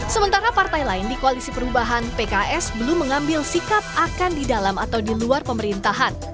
sementara partai lain di koalisi perubahan pks belum mengambil sikap akan di dalam atau di luar pemerintahan